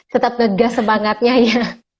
tetap ngegas semangatnya ya